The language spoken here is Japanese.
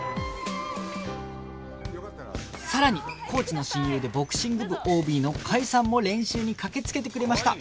さらにコーチの親友でボクシング部 ＯＢ の甲斐さんも練習に駆けつけてくれました